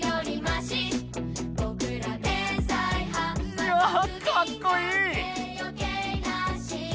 いやかっこいい！